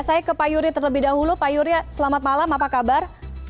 saya ke pak yuri terlebih dahulu pak yurya selamat malam apa kabar